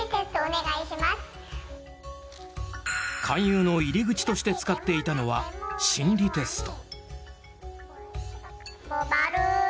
勧誘の入り口として使っていたのは心理テスト。